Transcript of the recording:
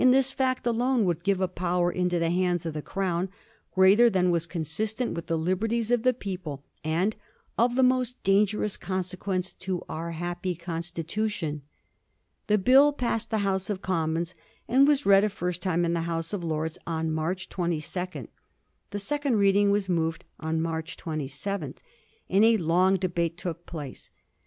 this fact alone would give a power into the hands of the Crown greater than was consistent with the liberties of the people, and ' of the most dangerous consequence to our happy constitution.' The Bill passed the House of Commons, and was read a first time in the House of Lords on March 22. The second reading was moved on March 27, and a long debate took place.